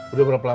udah berapa lama